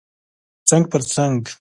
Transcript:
څنګ پر څنګ